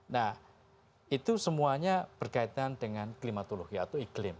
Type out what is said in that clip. nah itu semuanya berkaitan dengan klimatologi atau iklim